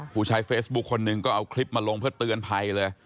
ผู้ใช้เฟซบุ๊คคนหนึ่งก็เอาคลิปมาลงเพื่อเตือนภัยเลย